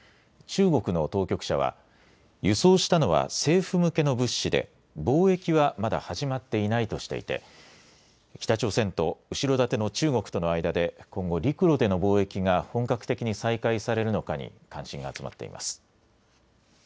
中国の当局者は輸送したのは政府向けの物資で貿易はまだ始まっていないとしていて北朝鮮と後ろ盾の中国との間で今後、陸路での貿易が本格的に再開されるのかに関心が集まっています。